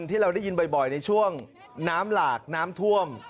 ที่เราได้ยินบ่อยในช่วงน้ำหลากน้ำท่วม